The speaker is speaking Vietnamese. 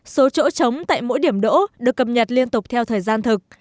số chỗ chống tại mỗi điểm đỗ được cập nhật liên tục theo thời gian thực